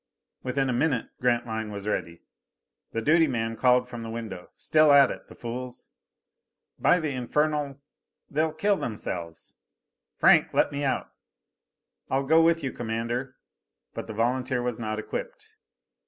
Within a minute Grantline was ready. The duty man called from the window, "Still at it, the fools. By the infernal they'll kill themselves!" "Franck, let me out." "I'll go with you, Commander." But the volunteer was not equipped.